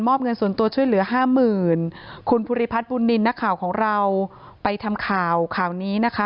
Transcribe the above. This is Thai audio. เงินส่วนตัวช่วยเหลือห้าหมื่นคุณภูริพัฒน์บุญนินทร์นักข่าวของเราไปทำข่าวข่าวนี้นะคะ